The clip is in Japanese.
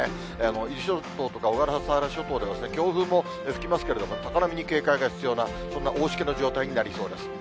伊豆諸島とか小笠原諸島では強風も吹きますけれども、高波に警戒が必要な、そんな大しけの状態になりそうです。